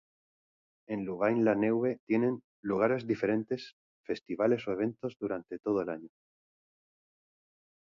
En Louvain-La-Neuve tienen lugar diferentes festivales o eventos durante todo el año.